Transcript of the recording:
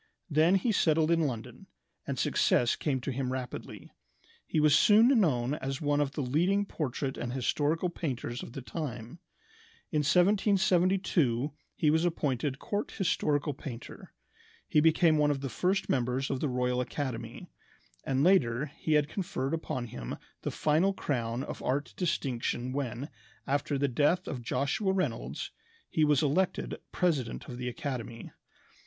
Then he settled in London, and success came to him rapidly. He was soon known as one of the leading portrait and historical painters of the time. In 1772 he was appointed court historical painter. He became one of the first members of the Royal Academy; and later he had conferred upon him the final crown of art distinction when, after the death of Joshua Reynolds, he was elected president of the academy.